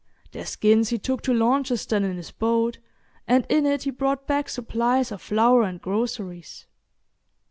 Their skins he took to Launceston in his boat, and in it he brought back supplies of flour and groceries.